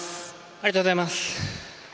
ありがとうございます。